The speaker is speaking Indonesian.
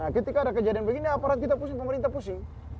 ketika ada kejadian begini aparat kita pusing pemerintah pusing